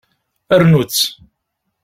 Rnu-tt.